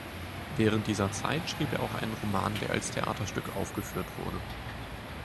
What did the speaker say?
Während dieser Zeit schrieb er auch einen Roman, der als Theaterstück aufgeführt wurde.